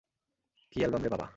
কী অ্যালবামরে বাবা!